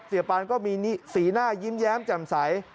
ปานก็มีสีหน้ายิ้มแย้มแจ่มใส